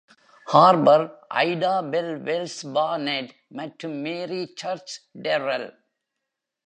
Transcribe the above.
Harbour, Ida Bell Wells Barnett மற்றும் Mary Church Terrell.